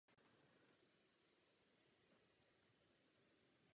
Výzkum v této oblasti patří k těm nejrychleji se rozvíjejícím oborům genetiky.